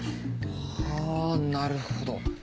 はなるほど。